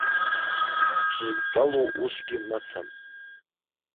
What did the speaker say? Сзыдтәалоу усгьы мацам.